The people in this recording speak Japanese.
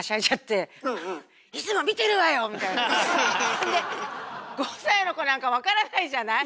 ほんで５歳の子なんか分からないじゃない？